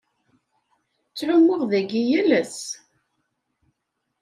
Ttɛummuɣ dagi yal ass.